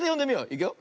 いくよ。